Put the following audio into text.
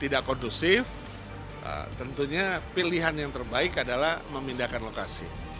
tidak kondusif tentunya pilihan yang terbaik adalah memindahkan lokasi